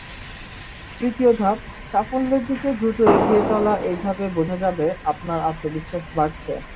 তৃতীয় ধাপ—সাফল্যের দিকে দ্রুত এগিয়ে চলাএই ধাপে বোঝা যাবে, আপনার আত্মবিশ্বাস বাড়ছে।